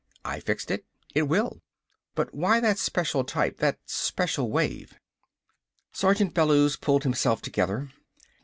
I fixed it. It will. But why that special type that special wave?" Sergeant Bellews pulled himself together.